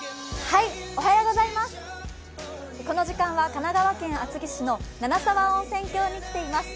この時間は神奈川県厚木市の七沢温泉郷に来ています。